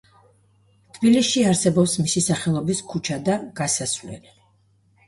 თბილისში არსებობს მისი სახელობის ქუჩა და გასასვლელი.